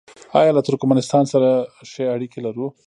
آیا له ترکمنستان سره ښې اړیکې لرو؟